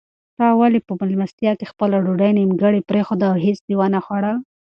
تا ولې په مېلمستیا کې خپله ډوډۍ نیمګړې پرېښوده او هیڅ دې ونه خوړل؟